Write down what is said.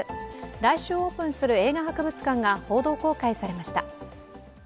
来週オープンする映画博物館が報道公開されました。